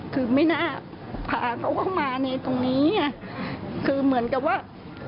คือไม่น่าพาเขาเข้ามาในตรงนี้คือเหมือนกับว่า